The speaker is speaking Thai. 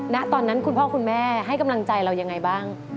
ณตอนนั้นคุณพ่อคุณแม่ให้กำลังใจเรายังไงบ้าง